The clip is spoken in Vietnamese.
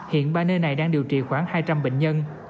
hiện ba nơi này đang điều trị khoảng hai trăm linh bệnh nhân